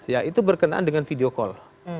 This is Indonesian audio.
ya itu berkenaan dengan video call